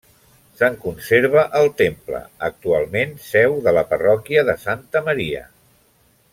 Se'n conserva el temple, actualment seu de la parròquia de Santa Maria.